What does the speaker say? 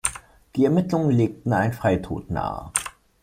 Die Ermittlungen legten einen Freitod nahe.